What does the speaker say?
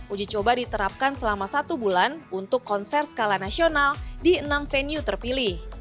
uji coba diterapkan selama satu bulan untuk konser skala nasional di enam venue terpilih